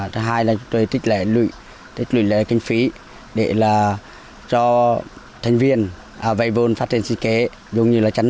thứ hai là chúng tôi tích lệ lụy tích lụy lệ kinh phí để là cho thành viên vay vốn phát triển sinh kế giống như là chăn nuôi